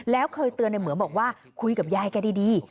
แล้วเคยเตือนในเหมือนบอกว่าคุยกับยายแกดี